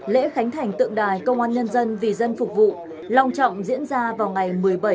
lễ khánh thành tượng đài công an nhân dân vì dân phục vụ lòng trọng diễn ra vào ngày một mươi bảy tháng bảy vừa qua